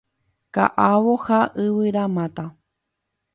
Ka'avo ha yvyramáta.